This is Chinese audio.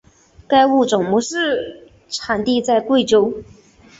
该物种的模式产地在贵州。